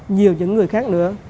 nhiều những người khác nữa